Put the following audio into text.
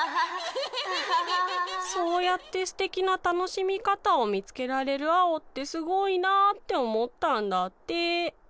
そうやってすてきなたのしみかたをみつけられるアオってすごいなっておもったんだって。